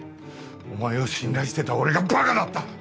お前を信頼してた俺が馬鹿だった！